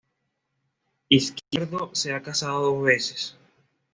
Izquierdo se ha casado dos veces.